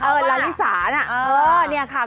เออลาลิซ่าน่ะ